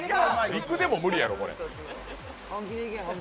陸でも無理やろ、これ。